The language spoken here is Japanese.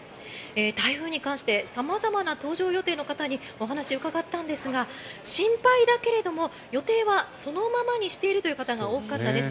台風に関して様々な搭乗予定の方にお話を伺ったんですが心配だけれども予定はそのままにしているという方が多かったです。